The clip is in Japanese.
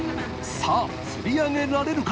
磴気釣り上げられるか？